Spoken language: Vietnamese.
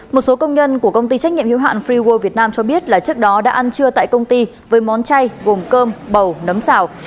một số công nhân của công ty trách nhiệm hiếu hạn freeworld việt nam cho biết là trước đó đã ăn trưa tại công ty với món chay gồm cơm bầu nấm xào